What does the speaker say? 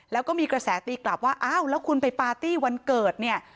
แล้วก็มีกระแสตีกลับว่าอ้าวแล้วคุณไปปาร์ตี้วันเกิดเนี่ย